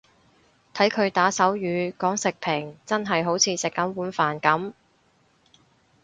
睇佢打手語講食評真係好似食緊碗飯噉